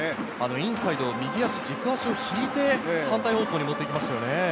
インサイド、右足・軸足を引いて反対方向に持っていきましたね。